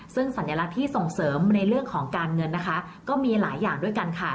ซึ่งสัญลักษณ์ที่ส่งเสริมในเรื่องของการเงินนะคะก็มีหลายอย่างด้วยกันค่ะ